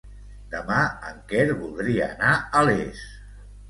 Demà en Quer voldria anar a Les.